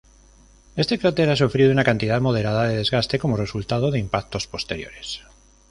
Este cráter ha sufrido una cantidad moderada de desgaste como resultado de impactos posteriores.